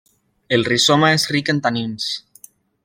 El rizoma és ric en tanins.